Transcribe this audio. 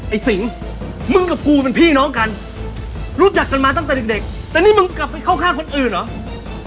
สิงมึงกับกูเป็นพี่น้องกันรู้จักกันมาตั้งแต่เด็กเด็กแต่นี่มึงกลับไปเข้าข้างคนอื่นเหรอ